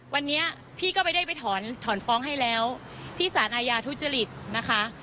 วันนี้พี่ก็ไปได้ไปถอนถอนฟ้องให้แล้วที่สารอาญาทุจริตนะคะ